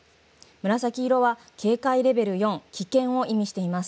紫色は警戒レベル４、危険を意味しています。